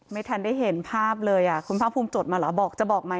ไม่ทันได้เห็นภาพเลยคุณภาคภูมิจดมาเหรอบอกจะบอกไหม